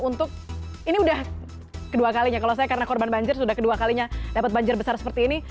untuk ini udah kedua kalinya kalau saya karena korban banjir sudah kedua kalinya dapat banjir besar seperti ini